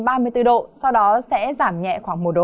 sau đó sẽ giảm nhẹ khoảng một độ